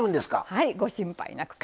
はいご心配なく。